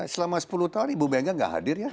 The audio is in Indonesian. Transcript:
selama sepuluh tahun ibu mega gak hadir ya